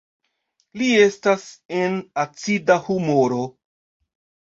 Li estas en acida humoro.